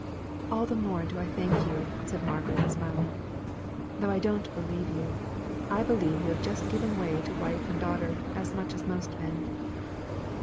"All the more do I thank you," said Margaret, smiling. "Though I don't believe you: I believe you have just given way to wife and daughter as much as most men."